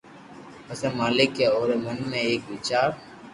پسي مالڪ اي اوري من ۾ ايڪ ويچار